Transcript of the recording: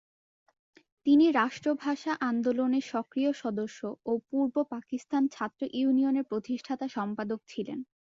তিনি রাষ্ট্র ভাষা আন্দোলনের সক্রিয় সদস্য ও পূর্ব পাকিস্তান ছাত্র ইউনিয়নের প্রতিষ্ঠাতা সম্পাদক ছিলেন।